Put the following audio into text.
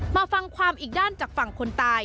มาฟังความอีกด้านจากฝั่งคนตาย